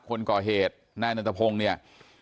คนก่อเหตุนายนันตพงศ์เนี่ย